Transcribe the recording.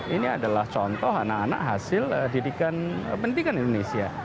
ini adalah contoh anak anak hasil pendidikan di indonesia